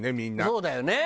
そうだよね。